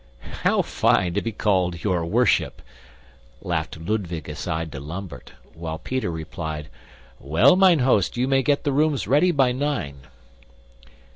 "How fine to be called 'your worship,'" laughed Ludwig aside to Lambert, while Peter replied, "Well, mine host, you may get the rooms ready by nine."